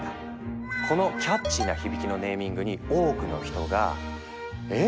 このキャッチーな響きのネーミングに多くの人が「えっ？